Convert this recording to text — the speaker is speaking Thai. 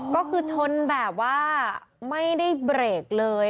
ก็คือชนแบบว่าไม่ได้เบรกเลย